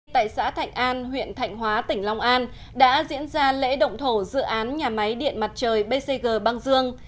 tại xã thạnh an huyện thạnh hóa tỉnh long an đã diễn ra lễ động thổ dự án nhà máy điện mặt trời bcg bang dương